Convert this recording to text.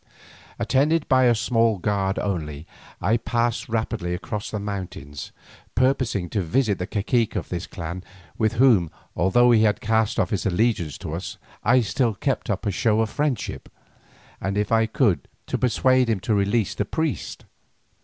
Attended by a small guard only, I passed rapidly across the mountains, purposing to visit the cacique of this clan with whom, although he had cast off his allegiance to us, I still kept up a show of friendship, and if I could, to persuade him to release the priest.